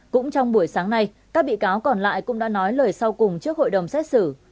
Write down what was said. cũng trong buổi sáng nay các bị cáo còn lại cũng đã nói lời sau cùng trước hội đồng xét xử